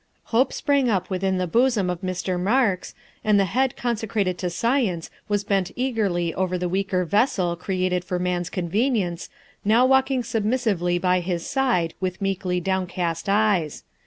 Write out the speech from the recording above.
Hope sprang up within the bosom of Mr. Marks, and the head consecrated to science was bent eagerly over the weaker vessel, created for man's convenience, now walking submissively by his side with meekly downcast eyes.